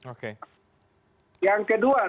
oke yang kedua